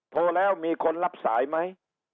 โทรแล้วมีคนรับสายไหม